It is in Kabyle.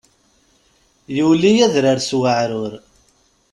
Yuli adrar s weεrur.